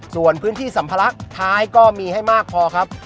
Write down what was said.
ส่วนพื้นที่สัมภาระท้ายก็มีให้มากพอครับ